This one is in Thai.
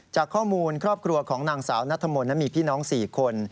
จากข้อมูลครอบครัวของนางสาวนัทมนต์มีพี่น้อง๔คน